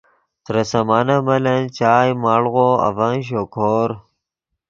ترے سامانف ملن چائے، مڑغو اڤن شوکور